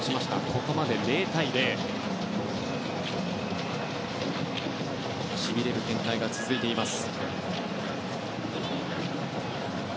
ここまで０対０というしびれる展開が続いてます。